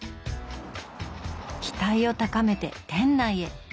期待を高めて店内へ。